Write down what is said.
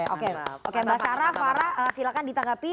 oke mbak sarah farah silahkan ditanggapi